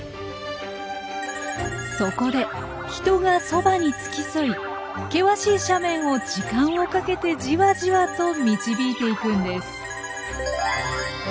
そこで人がそばに付き添い険しい斜面を時間をかけてじわじわと導いていくんです。